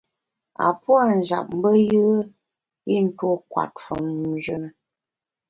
A puâ’ njap mbe yùe i ntuo kwet famnjù na.